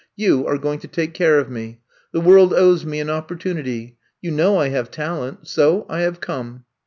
You are going to take care of me. The world owes me an opportunity. You know I have talent. So — I have come."